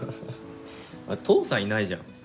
父さんいないじゃん。